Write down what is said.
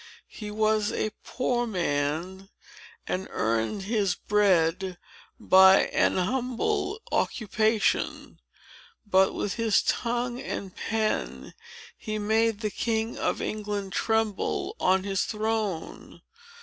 He was a poor man, and earned his bread by an humble occupation; but with his tongue and pen, he made the king of England tremble on his throne.